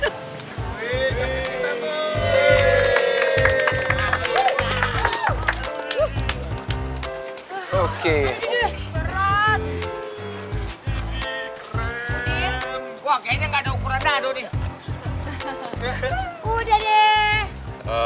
wah kayaknya gak ada ukuran dadu nih